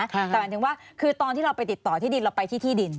แต่หมายถึงว่าคือตอนที่เราไปติดต่อที่ดินเราไปที่ที่ดิน